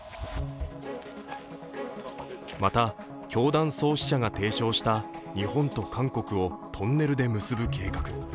また、教団創始者が提唱した日本と韓国をトンネルで結ぶ計画。